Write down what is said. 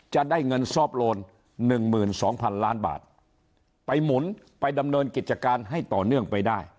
จะได้เงินซอฟต์โลนหนึ่งหมื่นสองพันล้านบาทไปหมุนไปดำเนินกิจการให้ต่อเนื่องไปได้